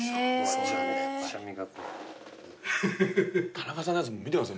田中さんのやつ見てください